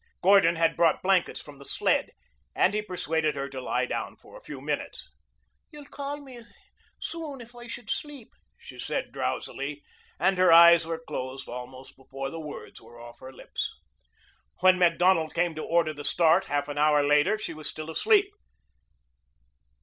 Gordon had brought blankets from the sled and he persuaded her to lie down for a few minutes. "You'll call me soon if I should sleep," she said drowsily, and her eyes were closed almost before the words were off her lips. When Macdonald came to order the start half an hour later, she was still asleep.